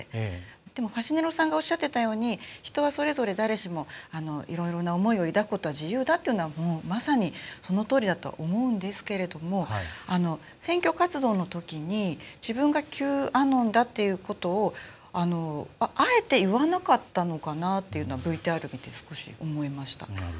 でもファシネロさんがおっしゃっていたように人はそれぞれ、誰しもいろいろな思いを抱くことは自由だっていうのはまさにそのとおりだと思うんですけれども選挙活動のときに自分がＱアノンだということをあえて言わなかったのかなっていうのはＶＴＲを見て、少し思いました。